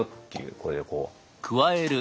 これでこう。